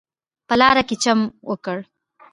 په لاره کې چم وکړ.